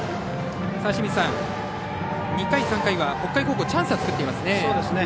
２回３回は北海高校チャンスは作っていますね。